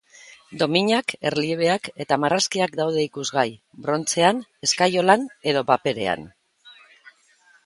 Dominak, erliebeak eta marrazkiak daude ikusgai, brontzean, eskaiolan edota paperean.